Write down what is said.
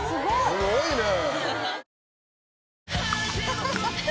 すごいね。